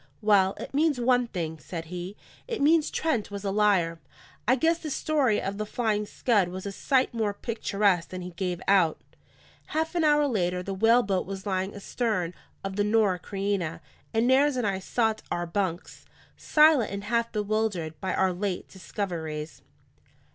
"Well, it means one thing," said he. "It means Trent was a liar. I guess the story of the Flying Scud was a sight more picturesque than he gave out." Half an hour later, the whaleboat was lying astern of the Norah Creina; and Nares and I sought our bunks, silent and half bewildered by our late discoveries.